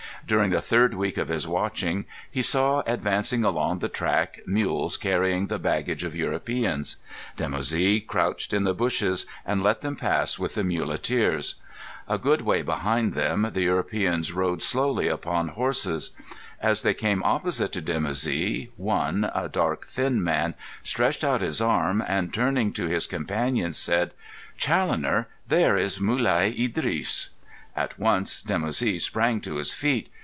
During the third week of his watching he saw advancing along the track mules carrying the baggage of Europeans. Dimoussi crouched in the bushes and let them pass with the muleteers. A good way behind them the Europeans rode slowly upon horses. As they came opposite to Dimoussi, one, a dark, thin man, stretched out his arm and, turning to his companion, said: "Challoner, there is Mulai Idris." At once Dimoussi sprang to his feet.